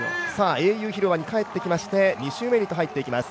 英雄広場に帰ってきまして２周目へと入っていきます。